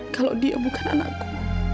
kalau dia bukan anakku